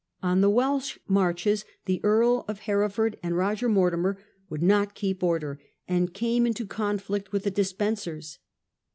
On the Welsh marches the Earl of Hereford and Roger Mortimer would not keep order, and came into conflict with the Despensers.